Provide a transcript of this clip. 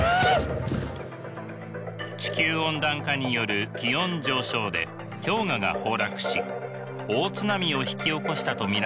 地球温暖化による気温上昇で氷河が崩落し大津波を引き起こしたと見られています。